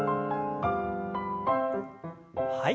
はい。